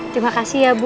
terima kasih ya bu